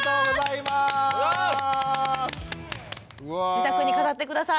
自宅に飾って下さい。